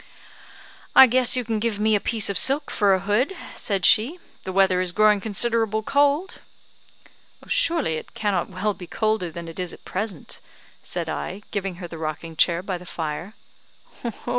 "I guess you can give me a piece of silk for a hood," said she, "the weather is growing considerable cold." "Surely it cannot well be colder than it is at present," said I, giving her the rocking chair by the fire.